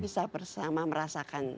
bisa bersama merasakan